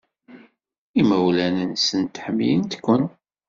Imawlan-nsent ḥemmlen-ken.